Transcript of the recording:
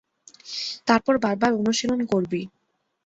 তারপর বারবার অনুশীলন করবি।